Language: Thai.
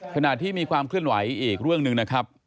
ขณะที่มีความเคลื่อนไหวอีกเรื่องหนึ่งนะครับ